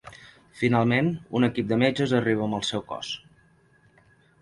Finalment, un equip de metges arriba amb el seu cos.